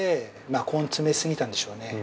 根を詰め過ぎたんでしょうね。